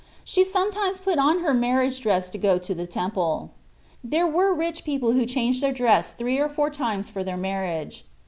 She sometimes put on her marriage dress to go to the Temple. There were rich people who changed their dress three or four times for their marriage.